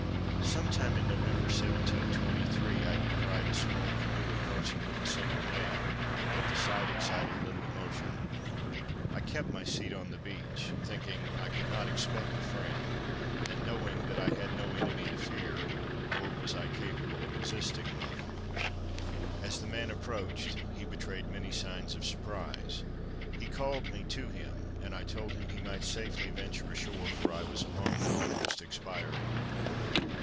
Sometime in November 1723, I descried a small canoe approaching with a single man; but the sight excited little emotion. I kept my seat on the beach, thinking I could not expect a friend, and knowing that I had no enemy to fear, nor was I capable of resisting one. As the man approached, he betrayed many signs of surprise; he called me to him, and I told him he might safely venture ashore, for I was alone, and almost expiring.